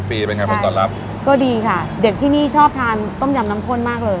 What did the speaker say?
เป็นยังไงผมตอบรับก็ดีค่ะเด็กที่หนี้ชอบทานต้มยำน้ำโพลมากเลย